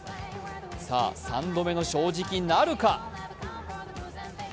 さあ３度目の正直なるか？